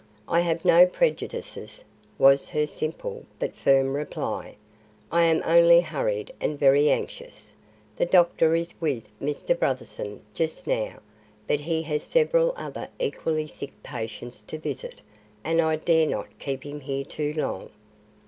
"I have no prejudices," was her simple but firm reply. "I am only hurried and very anxious. The doctor is with Mr. Brotherson just now; but he has several other equally sick patients to visit and I dare not keep him here too long."